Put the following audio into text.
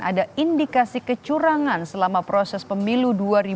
ada indikasi kecurangan selama proses pemilu dua ribu dua puluh